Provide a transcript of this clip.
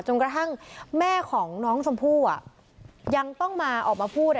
กระทั่งแม่ของน้องชมพู่ยังต้องมาออกมาพูด